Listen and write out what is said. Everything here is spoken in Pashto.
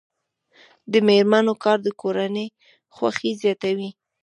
د میرمنو کار د کورنۍ خوښۍ زیاتوي.